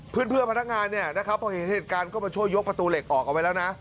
พื้นเพื่อพนักงานพอเห็นเหตุการณ์ก็มาช่วยยกประตูเหล็กออกเอาไว้แล้วนะ